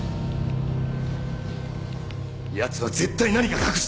やつは絶対何か隠しています！